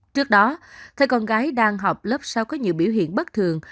trước đó thay con gái đang học lớp sáu có nhiều biểu hiện bất thường